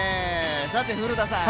さて、古田さん